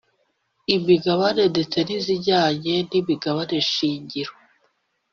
Imigabane ndetse n’ izijyanye n’ imigabane shingiro